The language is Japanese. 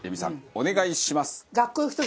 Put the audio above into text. お願いします。